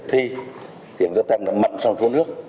hiện ra tăng mạnh trong số nước